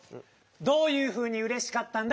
どういうふうにうれしかったんだ？